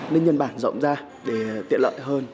lên nhân bản rộng ra để tiện lợi hơn